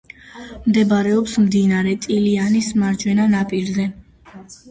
მდებარეობს მდინარე ტილიანის მარჯვენა ნაპირზე.